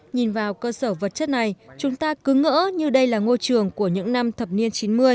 nhìn vào cơ sở vật chất này chúng ta cứ ngỡ như đây là ngôi trường của những năm thập niên chín mươi